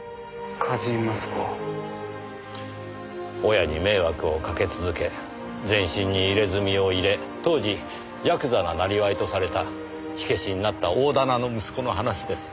親に迷惑をかけ続け全身に入れ墨を入れ当時やくざな生業とされた火消しになった大店の息子の話です。